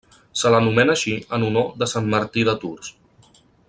Se l'anomena així en honor de Sant Martí de Tours.